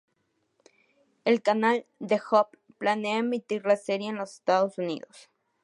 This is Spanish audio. El canal The Hub planea emitir la serie en los Estados Unidos.